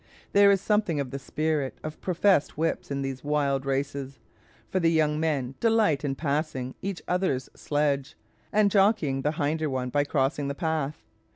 There is something of the spirit of professed whips in these wild races, for the young men delight in passing each other's sledge, and jockeying the hinder one by crossing the path.